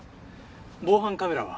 防犯カメラは？